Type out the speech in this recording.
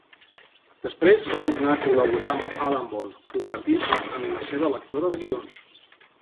Després va tornar a col·laborar amb Alan Ball, convertint-se en la seva lectora de guions.